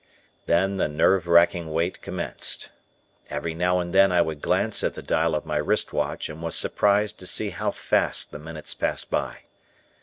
Then the nerve racking wait commenced. Every now and then I would glance at the dial of my wrist watch and was surprised to see how fast the minutes passed by.